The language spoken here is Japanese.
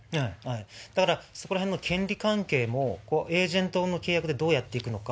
だからそこらへんの権利関係もエージェントの契約でどうやっていくのか。